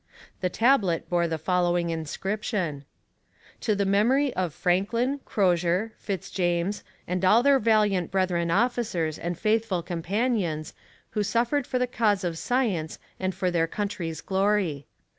The tablet bore the following inscription: "TO THE MEMORY OF FRANKLIN, CROZIER, FITZ JAMES, AND ALL THEIR VALIANT BRETHREN OFFICERS AND FAITHFUL COMPANIONS who suffered for the cause of science and for their country's glory.